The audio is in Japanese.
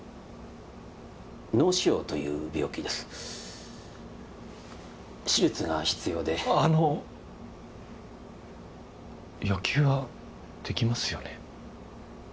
脳腫瘍という病気です手術が必要であの野球はできますよね？